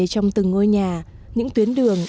trong từng ngôi nhà những tuyến đường